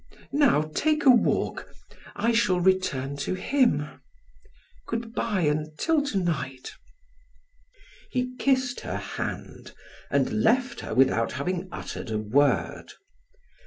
Now take a walk; I shall return to him. Good bye until to night." He kissed her hand and left her without having uttered a word.